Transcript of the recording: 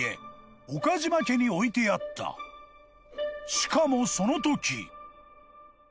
［しかもそのとき］